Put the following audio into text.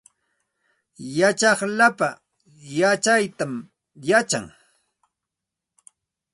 Yachaq lapa yachaytam yachan